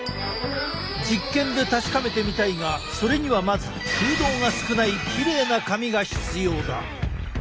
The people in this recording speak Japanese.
実験で確かめてみたいがそれにはまず空洞が少ないきれいな髪が必要だ。